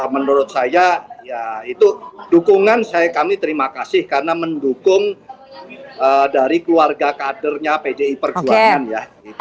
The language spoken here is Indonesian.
menurut saya ya itu dukungan kami terima kasih karena mendukung dari keluarga kadernya pdi perjuangan ya